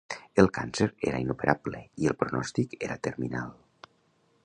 El càncer era inoperable i el pronòstic era terminal.